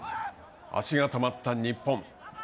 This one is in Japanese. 足が止まった日本。